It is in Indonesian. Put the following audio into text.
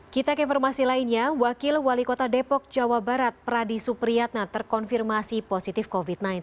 kita ke informasi lainnya wakil wali kota depok jawa barat pradi supriyatna terkonfirmasi positif covid sembilan belas